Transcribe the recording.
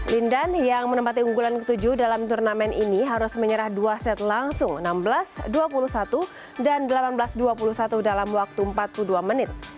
lindan yang menempati unggulan ketujuh dalam turnamen ini harus menyerah dua set langsung enam belas dua puluh satu dan delapan belas dua puluh satu dalam waktu empat puluh dua menit